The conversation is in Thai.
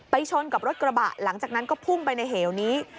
ชนกับรถกระบะหลังจากนั้นก็พุ่งไปในเหวนี้